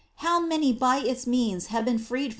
How many by its means have been freed from sin!